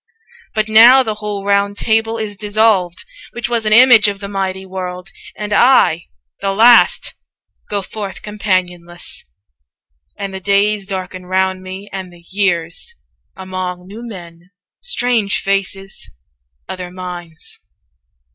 But now the whole ROUND TABLE is dissolved Which was an image of the mighty world; 235 And I, the last, go forth companionless, And the days darken round me, and the years, Among new men, strange faces, other minds.'